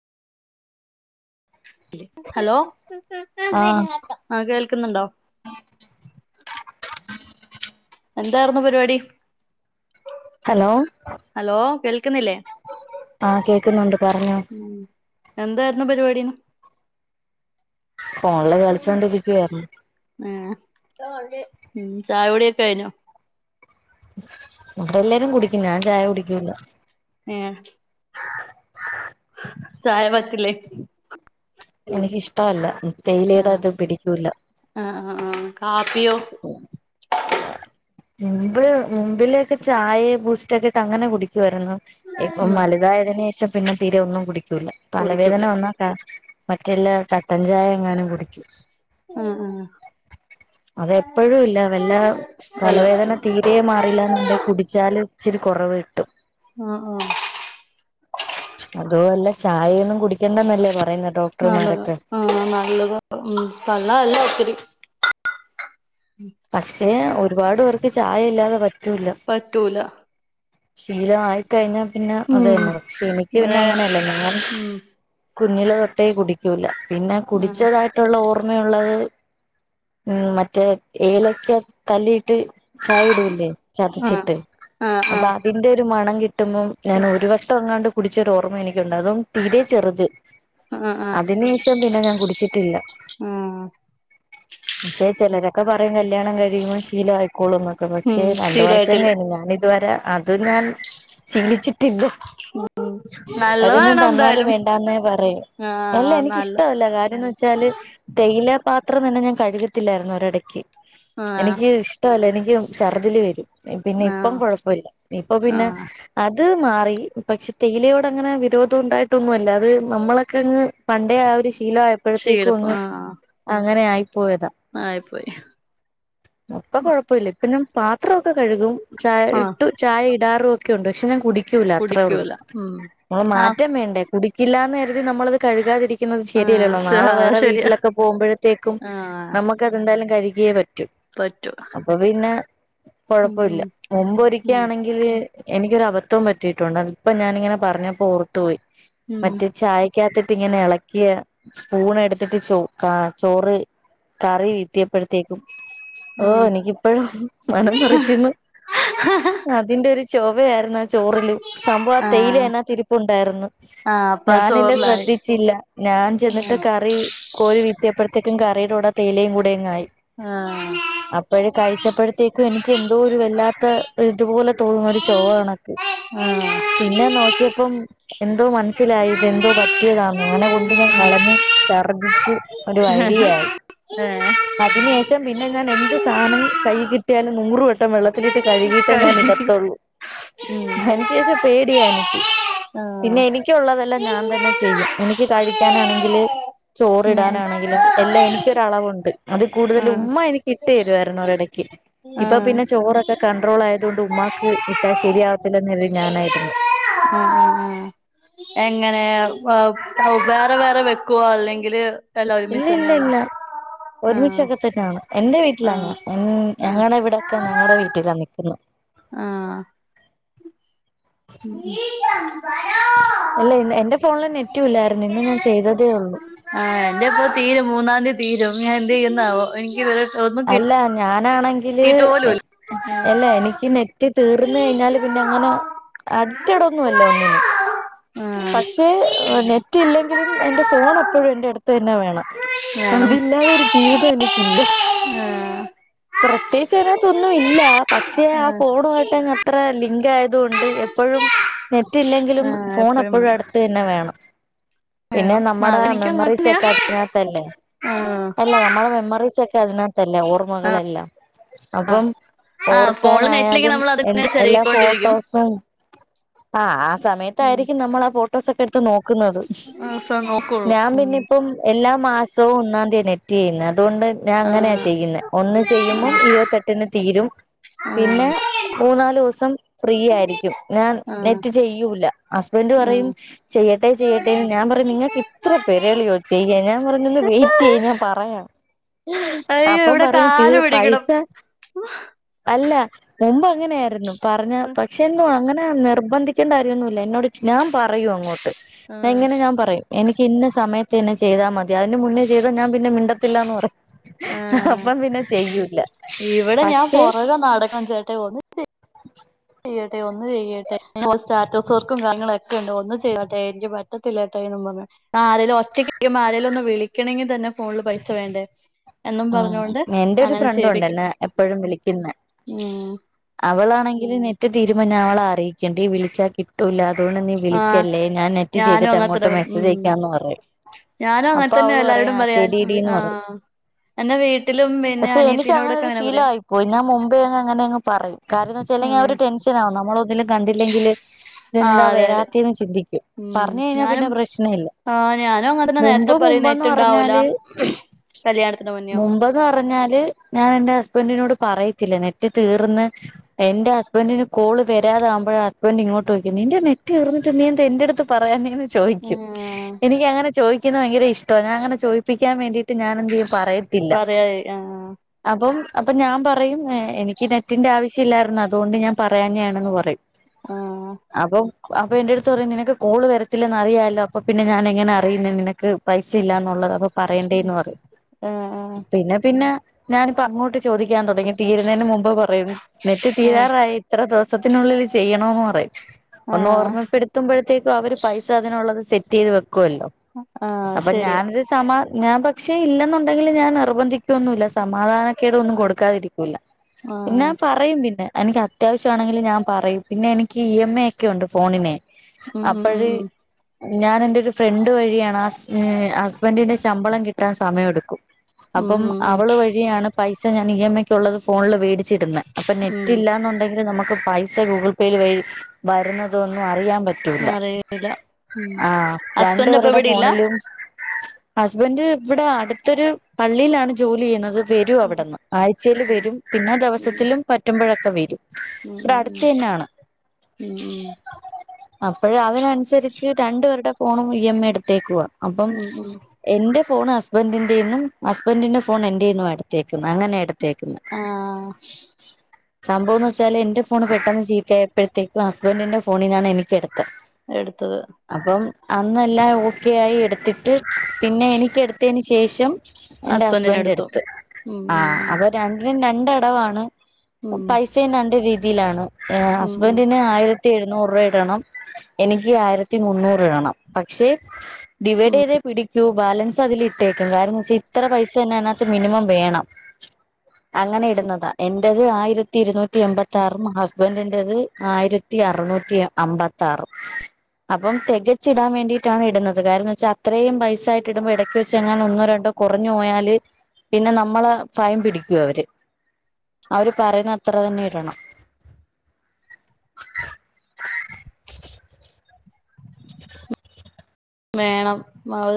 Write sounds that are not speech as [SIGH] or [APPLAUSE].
Hello ആഹ് ആ കേൾക്കുന്നുണ്ടോ എന്താർന്നു പരിപാടി ഹലോ ഹലോ കേൾക്കുന്നില്ലേ ആഹ കേൾക്കുന്നുണ്ട് പറഞ്ഞോ ഉ എന്തായിരുന്നു പരിപാടി ഫോണില് കളിച്ചോണ്ടിരിക്കുവായിരുന്നു മ് ചായുഡിയൊക്കെ കഴിഞോ ഇവിടെ എല്ലാരും കുടിക്കും ഞാൻ ചായ കുടിക്കില്ല ഏഹ് ചായ പറ്റു ല്ലേ എനിക്കിഷ്ടമല്ല ആ തേയിലടാത്തത് പിടിക്കൂല ആ ആ ആ കാപ്പിയോ ആഹ് മുമ്പില് മുമ്പിലൊക്കെ ചായ ബൂസ്റ്റൊക്കെട്ടങ്ങനെ കുടിക്കുവായിരുന്നു ഇപ്പൊ ഉം വലുതായതിനന് ശേഷം പിന്നെ തീരെ ഒന്നും കുടിക്കൂല തലവേദന കുടിക്കൂല വന്ന മറ്റല്ലാരും കട്ടൻചായ എങ്ങാനും കുടിക്കും ഉം ഉം അതെപ്പോഴും ഇല്ല വല്ല തലവേദന വല്ലപ്പോഴും തീരെ മാറിയില്ലെന്നുണ്ടെങ്കി കുടിച്ചാല് ഇച്ചിരി കൊറവ് കിട്ടും ആ ആ അതുല്ല ചായയൊന്നും കുടിക്കണ്ടന്നല്ലേ പറയുന്ന ആ ഡോക്ടർമാരൊക്കെ ആ നല്ലത് ഹ്മ്മ് കള്ളല്ല ഒത്തിരി പക്ഷേ ഒരുപാട് പേർക്ക് ചായ ഇല്ലാതെ പറ്റൂല്ല പറ്റൂല ശീലം ആയിക്കഴിഞ്ഞാൽ പിന്നെ ഉം അതന്നെ പക്ഷെ എനിക്ക് ഇവിടെ പിന്നങ്ങനെല്ല ഞാൻ ഉം കുഞ്ഞിലെ തൊട്ടേ കുടിക്കൂല പിന്നെ കുടിച്ചതായിട്ട് കുടിച്ചതായിട്ടുള്ള ഓർമ്മയുള്ളത് ഹും മറ്റേ ഏലക്ക തല്ലിയിട്ട് ചായ ടൂലെ ആഹ് ചതച്ചിട്ട് ആഹ് ആഹ് അപ്പൊ ആഹ് അതിന്റെ ഒരു മണം കിട്ടുമ്പം ഞാന് ഒരു വട്ടങ്ങാണ്ട് കുടിച്ച ഓർമ്മ എനിക്കുണ്ട് അതും തീരെ ചെറുത് അതിനു ശേഷം പിന്നെ ഞാൻ കുടിച്ചിട്ടില്ല ആഹ പക്ഷെ ചിലരൊക്കെ പറയും കല്യാണം കഴിയുമ്പോ ശീലം ആയിക്കോളൂന്ന് ഉം പക്ഷെ രണ്ട് വർഷം ശീലായിട്ടില്ല കഴിഞ് ഞാനിതുവരെ അതും ഞാൻ ശീലിച്ചിട്ടില്ല ഉം അത് ഞാൻ തന്നാലും വേണ്ടാന്നേ പറയൂ അല്ല ആഹ് നല്ല എനിക്കിഷ്ടമല്ല കാര്യംന്ന് വെച്ചാല് തേയില പാത്രം തന്നെ ഞാൻ കഴുകത്തില്ലായിരുന്നു ഒരിടക്ക് ആഹ് എനിക്കിഷ്ട്ടല്ല ഇഷ്ടല്ല എനിക്ക് ഷർദില് വരും പിന്നെ ഇപ്പം ആഹ് കൊഴപ്പമില്ല ഇപ്പ പിന്നെ ആഹ് അത് മാറി പക്ഷെ തേയിലയോട് അങ്ങനെ വിരോധം ഉണ്ടായിട്ടൊന്നുമല്ല അത് നമ്മളൊക്കെ അങ്ങ് പണ്ടേ ആ ഒരു ശീല ആയപ്പോഴത്തേക്കും ശീലപ്പ അങ്ങ് അങ്ങനെ ആയി പോയതാ ആയി പോയി ഇപ്പ കുഴപ്പല്ല ഇപ്പന്നും പാത്രക്കെ കഴുകും ചായ ആഹ് ഇട്ടു ചായ ഇടാറോക്കെ ഉണ്ട് പക്ഷെ ഞാൻ കുടിക്കൂല അത്രേള്ളൂ കുടിക്കൂല ഉം പിന്നെ ആഹ് മാറ്റാൻ വേണ്ടേ. കുടിക്കില്ലാന്ന് കരുതി നമ്മളത് കഴുകാതിരിക് കഴുകാതിരിക്കുന്നത് ശരിയല്ലല്ലോ ആഹ് നാളെ അത് വേറെ ശരിയാ വീട്ടിലൊക്കെ പോകുമ്പോഴത്തേക്കും ആഹ് നമ്മക് അതെന്തായാലും കഴികെ പറ്റു പറ്റും അപ്പൊ പിന്നെ കൊഴപ്പൊല്ല. ഉം ഉം മുമ്പരിക്കയാണെങ്കില് എനിക്കൊരു അബദ്ധം പറ്റിയിട്ടുണ്ട് അതിപ്പോ ഞാനിങ്ങനെ പറഞ്ഞപ്പോ ഓർത്തു പോയി ഉം മറ്റേ ചായക്ക്‌ - ചായ ക്കകത്തിട്ട് ഇങ്ങനെ ഇളക്കിയ സ്പൂൺ എടുത്തിട്ട് ചോ കാ ചോറ് കറി വീത്തിയപ്പോഴത്തേക്കും ഓ ഉം നിക്കിപ്പോഴും മനംമറിക്കുന്നു. ആഹ് അതിന്റെ ഒരു ചൊവയായിരുന്നു ആ ചോറില് സംഭവം ആ ആഹ് തേയിലനകത്തിരിപ്പുണ്ടായ്രുന്നു. ആഹ് അപ്പൊ അത് ഞാനില്ല ചോറിലായി ശ്രദ്ധിച്ചില്ല ഞാൻ ചെന്നിട്ട് ഉം കറി കോരി വീയ്‌ത്തിയപ്പോഴത്തേക്കും കറിയുടെ കൂടെ തേയിലയും കൂടെയിങ്ങായി. ആ. അപ്പോഴ കഴിച്ചപ്പോഴത്തേക്കും എനിക്ക് എന്തോ ഒരു വല്ലാ അത് തുപോലെ തോന്നുന്നു ഒരു ചൊവകണക്ക്. ആ. പിന്നെ നോക്കിയപ്പം എന്തോ മനസ്സിലായി ഇത് എന്തോ പറ്റിയതാന്ന് അങ്ങനെ കൊണ്ട് ഞാൻ കളഞ്ഞ് ഛർദിച്ച്. ഒരു വഴിയായി. അതിന് ശേഷം പിന്നെ ഞാൻ എന്ത് സാധനം കൈ കിട്ടിയാലും നൂറ് വട്ടം വെള്ളത്തില്ട്ട് കഴുകിട്ടേ ഞാൻ ഇടതൊള്ളൂ അയ്നേഷം പേടിയാ നിക്ക്. പിന്നെ എനിക്കുള്ളതെല്ലാം ഞാൻ തന്നെ ചെയ്യും എനിക്ക് കഴിക്കാനാണെങ്കില് ചോറിടാനാണെങ്കിലും എല്ലാം എനിക്കൊരളവുണ്ട് അതി ആഹ് കൂടുതൽ ഉം ഉമ്മ എനിക്കിട്ടെരൂവായിരുന്നു ഉം ഒരെടക്ക്. ഇപ്പൊ പിന്നെ ചോറൊക്കെ കണ്ട്രോൾ ആയത് കൊണ്ട് ഉമ്മാക്ക് ഇട്ടാ ശരിയാവത്തില്ലന്നെ ഞാനാട്ന്ന്. ആ ആ ആഹ് എങ്ങനെ? വേ യ് വേറെ വേറെ വെക്കോ അല്ലെങ്കിൽ ഇല്ല ഇല്ല ഇല്ല ആഹ് ഒരുമിഷകത്ത് [INAUDIBLE] തന്നണ് എന്റെ വീട്ടിലാണ് ആഹ് ഉം ഞാൻ ഞങ്ങളെവി ടക്കെ ഞങ്ങളെ വീട്ടിലാ നിക്കുന്നേ. ആ. [UNINTELLIGIBLE] എ ല്ലേ, എന്റെ ഫോണില് നെറ്റും ഇല്ലായിരുന്നു ഇന്ന് ഞാൻ ചെയ്തതേ ഒള്ളൂ. ആ എന്റെപ്പോ തീരും മൂന്നാംതി തീരും ഞാൻ എന്ത്യ്യുംന്നവോ എനിക്ക് ഇത് വരെ അല്ല ഞാനാണെങ്ക പോലുമില്ല ങ്കില്എല്ല എനിക്ക് നെറ്റ് തീർന്ന ഉം കഴിഞ്ഞാല് പിന്ന അങ്ങന അഡി റ്റഡോന്നുഅല്ല ഒന്നിനും. പക്ഷേ നെറ്റ് ഇല്ലെങ്കിലും എന്റെ ഫോൺ എപ്പോഴും എന്റെ അടുത്ത് തന്നെ വേണം. വേണം അതില്ലാതെ ഒരു ജീവിതം എനിക്കില്ല. ആഹ് പ്രത്യേകിച്ച് അയിനകത്തൊന്നും ഇല്ല. പക്ഷേ ആ ആഹ് ഫോണുവായി ട്ട് അങ്ങ് അത്ര ലിങ്ക് ആയത് കൊണ്ട് പ്പഴും നെറ്റി ല്ലെങ്കിലും ആഹ് ഫോൺ- എപ്പഴും എപ്പോഴും വേണം അടുത്ത് തന്നെ വേണം പിന്നെ വേണം നമ്മടെ അതെനിക്കും മെമ്മറീസ് അങ്ങനെത്തന്നെയാ ഒക്കെ അതിനകത്തല്ലേ. ആഹ് അല്ല നമ്മളെ മെമ്മറീസൊക്കെ അതിനകത്തല്ലേ ആഹ് ഓർമ്മകളെല്ലാം. ആഹ് അപ്പം ആഹ് ഫോണില് നെറ്റിലിങ്ങനെ ഓർക്കാനായാലും നമ്മള് എ അതിങ്ങനെ എല്ലാ ചെരകിക്കൊണ്ടിരിക്കും ഫോട്ടോസും അ ആ ഉം സമയത്തായിരിക്കും നമ്മൾ ആ ഫോട്ടോസൊക്കെ എടുത്ത് നോക്കുന്നത്. ദിവസോം നോക്കുള്ളൂ ഞാൻ ഉം പിന്നെ ഇപ്പം എല്ലാ മാസവും ഒന്നാം തീയാണ് നെറ്റ്യ്യുന്നേ അതുകൊണ്ട് ഞാൻ അങ്ങനെയാ ആഹ് ചെയ്യുന്നേ, ഒന്ന് ചെയ്യുമ്പം ഇരുപത്തെട്ടിന് തീരും. ആഹ് പിന്നെ ആഹ് മൂന്നാലൂസം ഫ്രീ ആയിരിക്കും. ഞാൻ ആഹ് നെറ്റ് ചെയ്യൂല. അസ്ബൻഡ് പറയും ആഹ് ചെയ്യട്ടെ ചെയ്യട്ടേന്ന് ഞാൻ പറയും നിങ്ങൾക്ക് ഇത്ര പെരളിയോ ചെയ്യാൻ ഞാൻ പറഞ്ഞു ഒന്ന് വെയിറ്റ് യ്യ് ഞാൻ പറയാം. അയ്യോ അപ്പൊ ഇവിടെ പറയും തീ കാല് [UNINTELLIGIBLE] പിടിക്കണം പൈസ അല്ല മുമ്പ് അങ്ങനെര്ന്നു പറഞ്ഞ പക്ഷേ ന്നു അങ്ങനെ നിർബന്ധിക്കേണ്ടര്യന്നും ലെന്നോട്ഞാൻ പറയുംങ്ങോട്ട് എ ആഹ് ങ്ങനെ ഞാൻപറയും. എനിക്ക് ഇന്നെസമയത്തന്നെ ചെയ്താമതി അതിന്റെമുന്നേചെയ്താ ഞാൻപിന്നെ മിണ്ടത്തില്ലന്ന്പറയും. ആഹ് അപ്പംപിന്നെചെയ്യൂല. ഇവിടെ ഞാൻ പക്ഷേ പുറകെ നടക്കണം ചേട്ടാ ഒന്ന് ചെയ്യട്ടെ ഒന്ന്ചെയ്യട്ടെ, ഇപ്പോൾസ്റ്റാറ്റസ് വർക്കുംകാര്യങ്ങളുഒക്കെണ്ട് ഒന്ന് ചെയ്തൊട്ടെ എനിക്ക്പറ്റത്തില്ലട്ടെയെന്നും പറഞ്ഞ് ആരേലും ഒറ്റയ്ക്കിരിക്കുമ്പോ ആരെലൊന്ന് വിളിക്കെണെങ്കിതന്നെ ഫോണിൽ പൈസ വേണ്ടേ? എന്നും ആ പറഞ്ഞോണ്ട് എന്റെരു അങ്ങനെ ചെയ്യിപ്പിക്കും ഫ്രണ്ടുംണ്ട്ന്നെ എപ്പോഴുംവിളിക്കുന്നെ. ഉം അവളാണെങ്കില് നെറ്റ്തീരു മുന്നേഅവളെ അറിയിക്കേണ്ടി വിളിച്ചാകിട്ടൂലാ അതുകൊണ്ട്നീ ആഹ് വിളിക്കല്ലേ, ഞാൻ നെറ്റ്ചെയ്തിട്ട് അങ്ങോട്ട് മെസ്സേജ്യക്കാന്ന്പറയും. ഞാനുംഅങ്ങൻതന്നെ എല്ലാരോടുംപറയാ ശെരിടീന്ന് ആ എന്നേ വീ- പക്ഷേ എനിക്ക്ങ്ങനൊരു ശീലഅയിപ്പോയി ഞാമുമ്പേ അങ്ങ്നെങ്ങ്പറയും കാര്യന്ന് വെചാല് ഇല്ലെങ്കിൽ ഉം അവര് ടെൻഷൻ [UNINTELLIGIBLE] നമ്മളൊന്നിലും കണ്ടില്ലെങ്കില് ആഹ് അതെ അതെ ഇതെന്താവരാത്തെന്ന് ചിന്തിക്കും. പറഞ്ഞുകഴിഞ്ഞാപിന്നെ പ്രശ്നഇല്ല ആ ഞാനുംഅങ്ങന്നെ നേരത്തെപറയും നേറ്റ്ണ്ടാവൂല മ്ഹ് കല്യാണ മുമ്പന്ന്പറഞ്ഞാല് ഞാനെന്റെ ഹസ്ബൻഡിനോട്പറയത്തില്ല നെറ്റ്തീർന്ന് എന്റെഹസ്ബന്റ്ന് കോൾ വരാതാകുമ്പോയ ഹസ്ബന്റ് ഇങ്ങോട്ട് യിക്കൂഉം നിന്റെനെറ്റ്ർന്ന്ട്ട് നീഎന്തഎ ന്റെഅടുത്ത് പറയാന്ന്ങ്ങനെ ചോയിക്കും. ആഹ് എനിക്കങ്ങനെ ചോയിക്കൂന്നെ ഭയങ്കഇഷ്ട ഞന ങ്ങനെ ചോയിപ്പിക്കാൻ വേണ്ടീട്ട് ഞാനെന്തെയും പറയും. പറയെ അ. അപ്പം അപ്പഞാൻപറയും എ എനിക്ക്നെറ്റിന്റെ ആവശ്യംഇല്ലായിർന്നു അതുകൊണ്ട് ഞാൻപറയാഞ്ഞെണെന്ന് പറയും. അ. അപ്പോ അപ്പോ ന്റെട്ത്ത്പറിം നിനക്ക്കോള് വരത്തില്ലന്ന്അറിയാലോ, അപ്പോ അപ്പോപിന്നെഞാനെങ്ങനെ അറിയണെനിനക്ക്. പൈസഇല്ലന്നുള്ളത് അപ്പോ പറയേണ്ടേന്ന്പറയും. A A. പിന്നെ പിന്നെ ഞാനിപ്പഅങ്ങോട്ട് ചോദിക്കാൻതുടങ്ങി. തീരുന്നതിന് മുമ്പ്പറയും ആഹ് നെറ്റ്തീരാറായി. എത്ര ദിവസത്തിനുള്ളിൽ ചെയ്യണൊപറയും. ഒന്ന് ആഹ് ഓർമ്മപ്പെടുത്തുമ്പോഴത്തേക്കും അവര്പൈസ അതിനുള്ളത് സെറ്റിയ്തു വെക്വൊല്ലോ,, ആഹ് ശരിയാ അപ്പൊഞാനൊരു സമാ ഞാൻപക്ഷേ ഇല്ലെന്നുണ്ടെങ്കിൽഞാൻ നിർബന്ധിക്യോന്നുല്ല സമാധാനക്കേടൊന്നും കൊടുക്കാതിരികോനുല്ല ആഹ് പിന്നെഞൻ പറയുംപിന്നെ എനിക്ക്അത്യാവശ്യമാണെങ്കില് ഞാൻപറയും പിന്നെഎനിക്ക് ഇ എം എ ഒക്കെയുണ്ട് ഫോണിനെ ഉം ഉം ഉം അപ്പോഴ് ഉം ഞാനെന്റെരു ഫ്രണ്ട് വഴിയാണ് ആസ് നെ ഹസ്ബന്റിന്റെ ശമ്പളംകിട്ടാൻ സമയമെടുക്കും ഉം അപ്പം ഉം ഉം അവള് വഴിയാണ്പൈസഞാൻ ഇ എം ഐക്കുള്ളത് ഫോണില് വേടിച് ച്ചിടുന്നെ അപ്പനെറ്റ് ഉം ഇല്ലന്നുണ്ടെങ്കിൽ നമുക്ക്പൈസ സ ഗൂഗിൾ പേയില് വഴിവരുന്നതൊന്നും അറിയാൻപറ്റ് റിയില്ല അറിയില്ല ഉം ആഹ് ഹസ്ബൻഡ് അപ്പൊ ഇവിടില്ല രണ്ടുപേരുടെഫോണിലും ഹസ്ബന്റ് ഇവിടെഅടുത്തൊരു പള്ളിയിലാണ്ജോലിയ്യുന്നത് ഉം വരുംഅവിടുന്ന് ആഴ്ചെല് വരും പിന്നെ ഉം ദിവസത്തിലും പറ്റുമ്പോഴൊക്കെ വരും ഉം ഉം ഇവിടെഅടുത്തതന്നെയാണ് ഉം ഉം അപ്പഴവരനുസരിച്ച് രണ്ടുപേരുടെഫോണും ഇ എം എ എടുത്തേക്കുവ അപ്പം ഉം ഉം എന്റെഫോണ് ഹസ്ബന്റിന്റെന്നും ഹസ്ബന്റിന്റെ ഫോൺ എന്റെന്നും ആണ് എടുത്തേക്കുന്നെ അങ്ങനെ എടുത്തേക്കുന്നെ ആഹ [INAUDIBLE] സംഭവംന്ന് വെച്ചാല് എന്റെഫോണ്പെട്ടെന്ന് ചീത്തയ്പ്പെയ്ത്തെക്കും ഹസ്ബന്റിന്റെ ഫോണീനാണ് എനിക്കെടുത്തെ എടുത്തത് അപ്പം അന്നല്ലാംഓക്കെ ആയി എടുത്തിട്ട് പിന്നെഎനിക്ക് എടുത്തെന് ശേഷം എന്റെ ഹസ്ബന്റ് ഹസ്ബൻഡിനെടുത്തു എടുത്തു ഉം ആ ഉം അത് രണ്ടിനുംരണ്ടടവാണ് ഉം ഉം പൈസയുംരണ്ട് രീതിയിലാണ് എ ഉം ഉം ഹസ്ബന്റിന് ആയിരത്തിഎഴുന്നൂറ് രൂപഇടണം എനിക്ക്ആയിരത്തി ത്തിമുന്നൂറ്ടണം പക്ഷെ ഉം ഡിവൈഡ്യ്തേ പിടിക്കൂ ബാലൻസ് അതിൽഇട്ടേക്കും കാരണംന്ന് വെച്ച ഇത്രപൈസ അതിനകത്ത്ന്നെ മിനിമം വേണം അങ്ങനെ ഇടുന്നതാ എൻറേത് ആയിരത്തി ഇരുന്നൂറ്റി എൺമ്പത്തി ആറും ഹസ്ബൻഡിൻറത് ആയിരത്തി ത്തി അർനൂറ്റി അമ്പത്തി ആറ് അപ്പം തികച്ചിടാൻ വേണ്ടിട്ടാണ് ഇടുന്നത് കാരണം എന്ന് വെച്ചാൽ അത്രയും പൈസായിട് ഇടുമ്പോ ഇടയ്ക്ക് വെച്ച് ങ്ങാന ഒന്നോ രണ്ടോ കുറഞ്ഞോയാല് പിന്നെ നമ്മളെ ഫൈൻ പിടിക്കൂ അവര് അവര് പറയുന്ന അത്ര തന്നെ ഇടണം വേണം അവ